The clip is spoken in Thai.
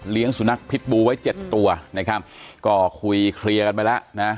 สุนัขพิษบูไว้เจ็ดตัวนะครับก็คุยเคลียร์กันไปแล้วนะ